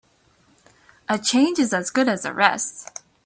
A change is as good as a rest.